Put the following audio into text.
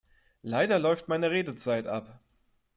Leider läuft meine Redezeit ab.